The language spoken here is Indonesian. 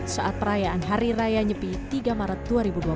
saat perayaan hari raya nyepi tiga maret dua ribu dua puluh